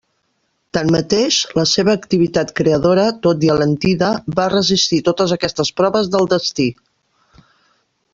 Tanmateix, la seva activitat creadora, tot i alentida, va resistir totes aquestes proves del destí.